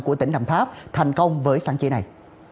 thưa tỉnh đồng tháp thành công với sáng chế này